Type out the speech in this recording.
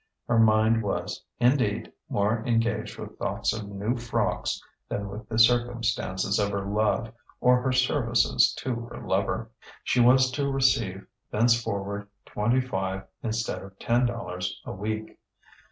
Her mind was, indeed, more engaged with thoughts of new frocks than with the circumstances of her love or her services to her lover. She was to receive thenceforward twenty five instead of ten dollars a week.